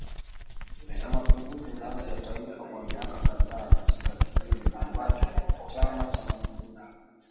cha mapinduzi ngazi ya taifa kwa miaka kadhaa katika kipindi ambacho Chama cha mapinduzi